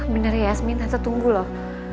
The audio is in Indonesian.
bener ya yasmin tante tunggu loh